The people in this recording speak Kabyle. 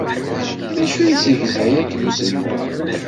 D acu i d-yessegzay akken uselmad?